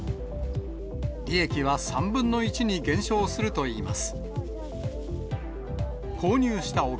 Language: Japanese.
利益は３分の１に減少するといいます。